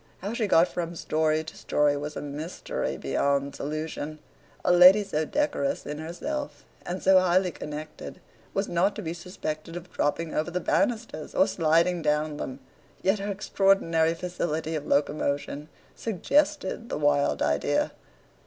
How she got from story to story was a mystery beyond solution. A lady so decorous in herself, and so highly connected, was not to be suspected of dropping over the banisters or sliding down them, yet her extraordinary facility of locomotion suggested the wild idea.